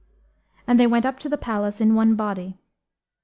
And they went up to the palace in one body.